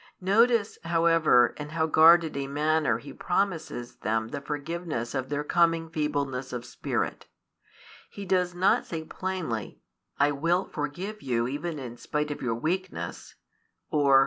Notice, however, in how guarded a manner He promises them the forgiveness of |232 their coming feebleness of spirit. He does not say plainly: "I will forgive you even in spite of your weakness," or.